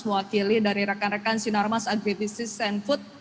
mewakili dari rekan rekan sinarmas agribusiness and food